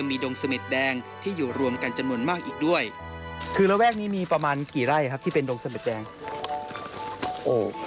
อีกด้วยคือระแวกนี้มีประมาณกี่ไร่ครับที่เป็นดงเสม็ดแดงโอ้